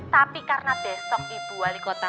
tapi karena besok ibu wali kota